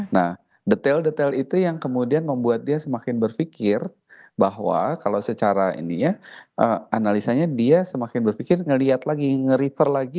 nah detail detail itu yang kemudian membuat dia semakin berpikir bahwa kalau secara ini ya analisanya dia semakin berpikir ngelihat lagi nge refer lagi